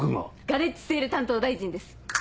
ガレージセール担当大臣です。